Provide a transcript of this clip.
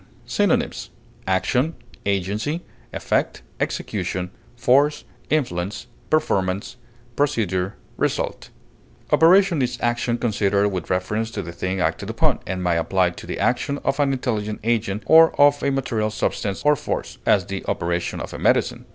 Synonyms: action, effect, force, performance, result. agency, execution, influence, procedure, Operation is action considered with reference to the thing acted upon, and may apply to the action of an intelligent agent or of a material substance or force; as, the operation of a medicine.